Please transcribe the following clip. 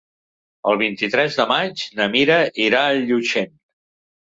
El vint-i-tres de maig na Mira irà a Llutxent.